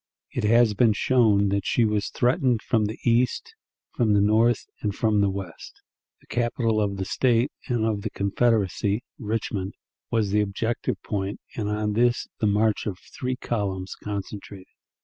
It has been shown that she was threatened from the east, from the north, and from the west. The capital of the State and of the Confederacy, Richmond, was the objective point, and on this the march of three columns concentrated.